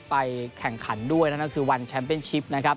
ไปแข่งขันด้วยนั่นก็คือวันแชมป์เป็นชิปนะครับ